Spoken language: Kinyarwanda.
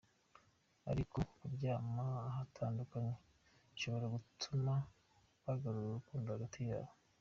Ariko kuryama ahatandukanye bishobora gutuma bagarura urukundo hagati yabo.